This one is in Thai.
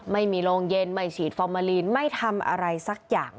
ไม่มีโรงเย็นไม่ฉีดฟอร์มาลีนไม่ทำอะไรสักอย่าง